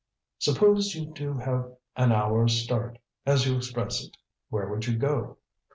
"Suppose you do have 'an hour's start,' as you express it. Where would you go?"